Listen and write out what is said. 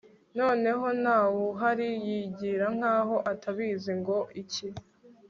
noneho ntawuhari yigira nkaho atabizi ngo iki